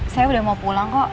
saya udah mau pulang kok